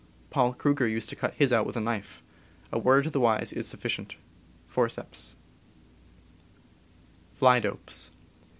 Paul Kruger used to cut his out with a knife. A word to the wise is sufficient: Forceps.